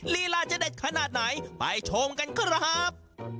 ลีลาจะเด็ดขนาดไหนไปชมกันครับ